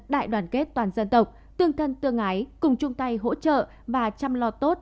đại đoàn kết toàn dân tộc tương thân tương ái cùng chung tay hỗ trợ và chăm lo tốt